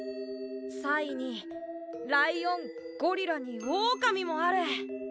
サイにライオンゴリラにオオカミもある。